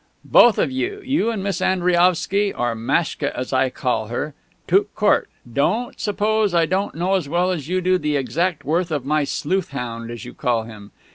"Both of you you and Miss Andriaovsky, or Maschka as I call her, tout court. Don't suppose I don't know as well as you do the exact worth of my 'sleuth hound,' as you call him.